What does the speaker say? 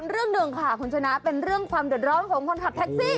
เรื่องหนึ่งค่ะคุณชนะเป็นเรื่องความเดือดร้อนของคนขับแท็กซี่